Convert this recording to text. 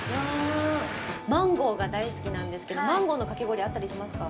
マンゴーが大好きなんですけど、マンゴーのかき氷、あったりしますか。